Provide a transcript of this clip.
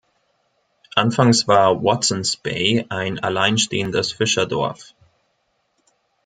Anfangs war Watsons Bay ein allein stehendes Fischerdorf.